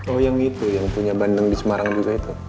oh yang itu yang punya bandeng di semarang juga itu